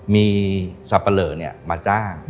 มีสัปปะเลอเนี่ยมาจ้าง